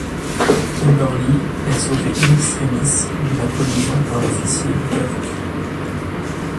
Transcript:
Kimberly est sauvée in extremis de la collision par l'officier Burke.